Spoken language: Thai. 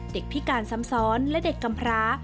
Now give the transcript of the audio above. พิการซ้ำซ้อนและเด็กกำพร้า